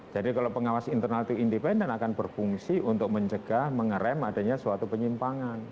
jadi kalau pengawas internal itu independent akan berfungsi untuk mencegah mengerem adanya suatu penyimpangan